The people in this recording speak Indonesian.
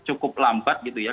cukup lambat gitu ya